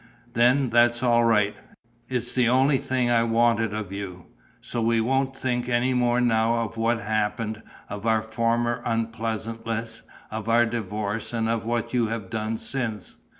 "Then that's all right. It's the only thing I wanted of you. So we won't think any more now of what happened, of our former unpleasantness, of our divorce and of what you have done since.